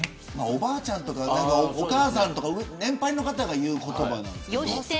おばあちゃん、お母さん年配の方が言う言葉ですよね。